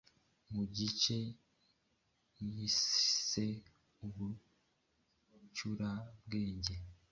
mu gice yise "Ubucurabwenge".